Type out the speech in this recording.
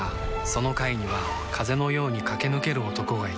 その階には風のように駆け抜ける男がいた